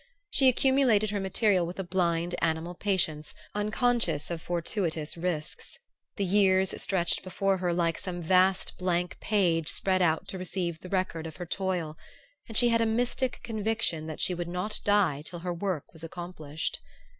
She accumulated her material with a blind animal patience unconscious of fortuitous risks. The years stretched before her like some vast blank page spread out to receive the record of her toil; and she had a mystic conviction that she would not die till her work was accomplished.